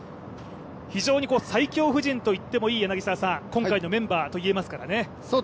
非常に最強布陣といってもいい今回のメンバーといえますからね。